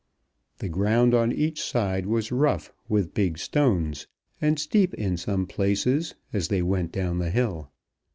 The ground on each side was rough with big stones, and steep in some places as they went down the hill.